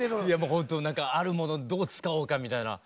ホント何かあるものどう使おうかみたいな。